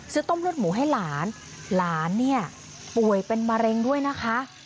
ซื้อต้มรถหมูให้หลานหลานป่วยเป็นมะเร็งด้วยนะคะ